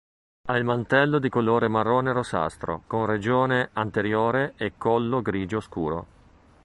Ha il mantello di colore marrone-rossastro, con regione anteriore e collo grigio scuro.